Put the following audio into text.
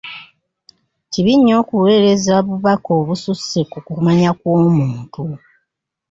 Kibi okuweereza bubaka obususse ku kumanya kw'omuntu.